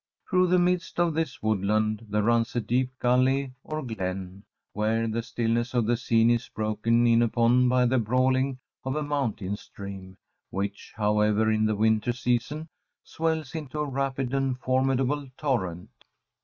Through the midst of this woodland there runs a deep gully or glen, where the stillness of the scene is broken in upon by the brawling of a mountain stream, which, however, in the winter season, swells into a rapid and formidable torrent.